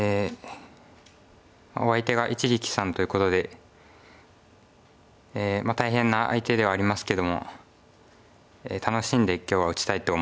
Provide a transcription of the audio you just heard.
お相手が一力さんということで大変な相手ではありますけども楽しんで今日は打ちたいと思います。